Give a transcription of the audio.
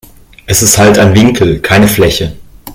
Es ist halt ein Winkel, keine Fläche.